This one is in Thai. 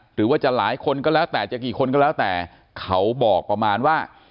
หรือว่าจะหลายคนก็แล้วแต่จะกี่คนก็แล้วแต่เขาบอกประมาณว่า